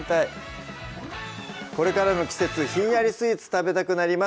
これからの季節ひんやりスイーツ食べたくなります